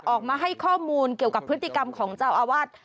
ออกมาให้ข้อมูลเกี่ยวกับพฤติกรรมของเจ้าอาวาส